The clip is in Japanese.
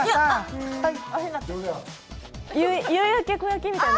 「夕焼け小焼け」みたいな。